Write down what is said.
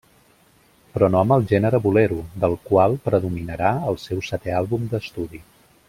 Però no amb el gènere bolero, del qual predominarà el seu setè àlbum d'estudi.